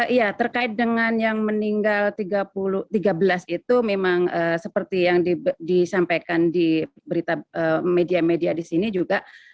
iya terkait dengan yang meninggal tiga belas itu memang seperti yang disampaikan di berita media media di sini juga